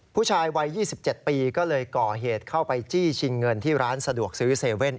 ผู้ชายวัย๒๗ปีก็เลยก่อเหตุเข้าไปจี้ชิงเงินที่ร้านสะดวกซื้อ๗๑๑